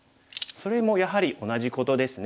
それもやはり同じことですね。